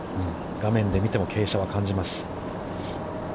画面で見ても、傾斜は感じます。